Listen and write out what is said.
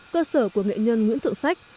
cơ sở của nghệ nhân nguyễn thượng sách